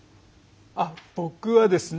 あっ僕はですね